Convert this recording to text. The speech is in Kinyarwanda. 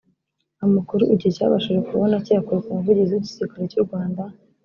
Amakuru Igihe cyabashije kubona kiyakuye k’Umuvigizi w’Igisirikare cy’u Rwanda